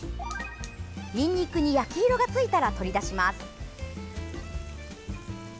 にんにくに焼き色がついたら取り出します。